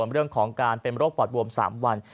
เรื่องการเป็นโรคปอดบวมสามวัน